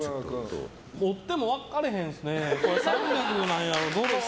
持っても分からへんっすね。